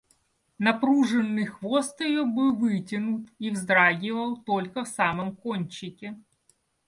Напруженный хвост ее был вытянут и вздрагивал только в самом кончике.